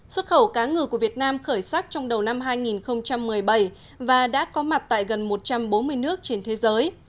xuất khẩu cá ngừ của việt nam khởi sắc trong đầu năm hai nghìn một mươi bảy và đã có mặt tại gần một trăm bốn mươi nước trên thế giới